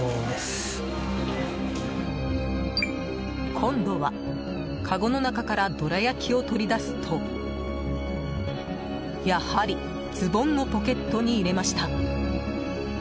今度は、かごの中からどら焼きを取り出すとやはり、ズボンのポケットに入れました。